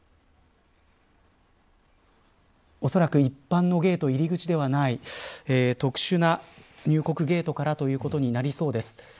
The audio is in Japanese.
おそらく一般のゲート入り口ではない特殊な入国ゲートからということになりそうです。